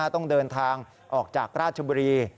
ต้องเดินทางออกจากราชบุรี